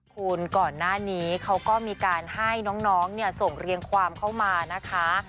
คุณก่อนหน้านี้เขาก็มีการให้น้องส่งเรียงความเข้ามานะคะ